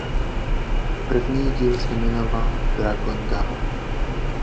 První díl se jmenoval "Dragon Down".